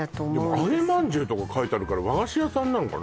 「揚げまんじゅう」とか書いてあるから和菓子屋さんなのかな？